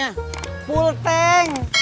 ya udah kang